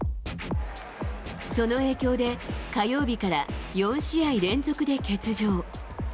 その影響で、火曜日から４試合連続で欠場。